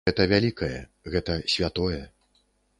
Гэта вялікае, гэта святое.